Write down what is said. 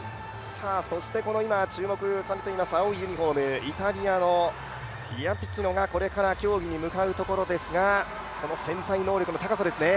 注目されているイタリアのイアピキノがこれから競技に向かうところですがこの潜在能力の高さですよね。